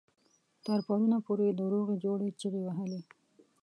تر پرونه پورې د روغې جوړې چيغې وهلې.